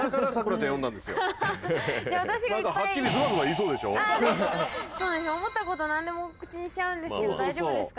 そうですね思ったこと何でも口にしちゃうんですけど大丈夫ですかね。